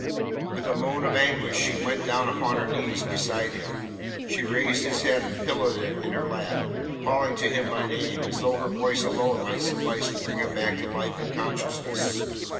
With a moan of anguish she went down upon her knees beside him. She raised his head and pillowed it in her lap, calling to him by name, as though her voice alone must suffice to bring him back to life and consciousness.